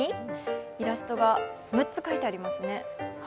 イラストが６つ描いてありますね。